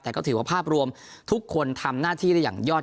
แต่ก็ถือว่าภาพรวมทุกคนทำหน้าที่ได้อย่างยอด